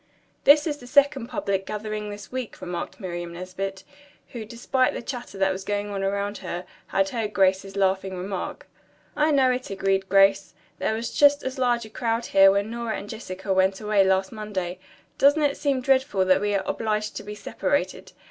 "This is the second public gathering this week," remarked Miriam Nesbit, who, despite the chatter that was going on around her, had heard Grace's laughing remark. "I know it," agreed Grace. "There was just as large a crowd here when Nora and Jessica went away last Monday. Doesn't it seem dreadful that we are obliged to be separated?